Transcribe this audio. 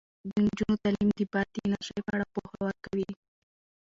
د نجونو تعلیم د باد د انرژۍ په اړه پوهه ورکوي.